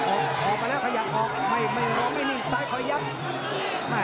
ออกมาแล้วเขาอยากออกรอไม่นึ่งสายคอยยับ